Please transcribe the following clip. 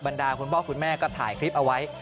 ดาคุณพ่อคุณแม่ก็ถ่ายคลิปเอาไว้